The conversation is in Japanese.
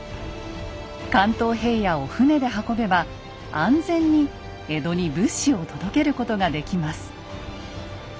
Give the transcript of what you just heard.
関東平野を船で運べば安全に江戸に物資を届けることができます。